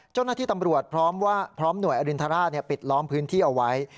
เจ้าหน้าที่ตำรวจพร้อมหน่วยอรินทราชปิดล้อมพื้นที่เอาไว้